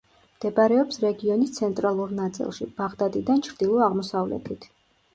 მდებარეობს რეგიონის ცენტრალურ ნაწილში, ბაღდადიდან ჩრდილო-აღმოსავლეთით.